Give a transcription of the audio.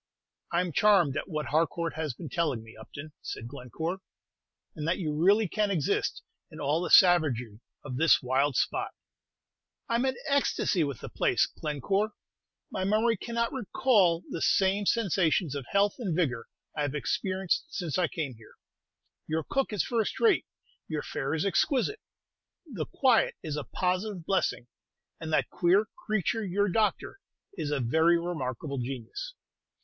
"I'm charmed at what Harcourt has been telling me, Upton," said Glencore; "and that you really can exist in all the savagery of this wild spot." "I'm in ecstasy with the place, Glencore. My memory cannot recall the same sensations of health and vigor I have experienced since I came here. Your cook is first rate; your fare is exquisite; the quiet is a positive blessing; and that queer creature, your doctor, is a very remarkable genius."